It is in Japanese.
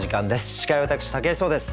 司会は私武井壮です。